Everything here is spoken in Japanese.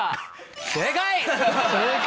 正解！